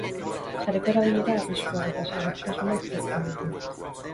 Sareko erabilera, arriskuak eta segurtasuna aztertzen ditu.